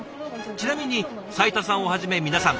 ちなみに斉田さんをはじめ皆さん